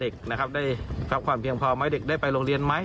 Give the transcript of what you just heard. เด็กนะครับได้รับความเพียงพอไหมเด็กได้ไปโรงเรียนไหม